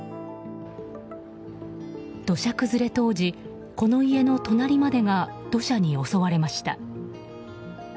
土砂崩れ当時、この家の隣までが土砂に襲われました。